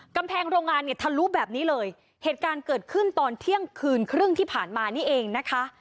กำแพงโรงงานเนี่ยทะลุแบบนี้เลยเหตุการณ์เกิดขึ้นตอนเที่ยงคืนครึ่งที่ผ่านมานี่เองนะคะ